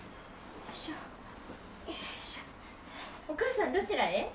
お母さんどちらへ？